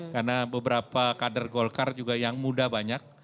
karena beberapa kader golkar juga yang muda banyak